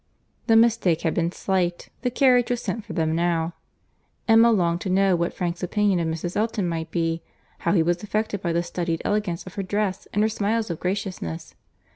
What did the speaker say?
The mistake had been slight. The carriage was sent for them now. Emma longed to know what Frank's first opinion of Mrs. Elton might be; how he was affected by the studied elegance of her dress, and her smiles of graciousness.